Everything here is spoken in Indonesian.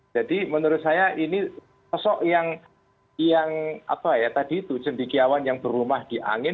jadi menurut saya ini sosok yang yang apa ya tadi itu cendikiawan yang berumah di angin